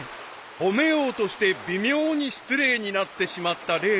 ［褒めようとして微妙に失礼になってしまった例である］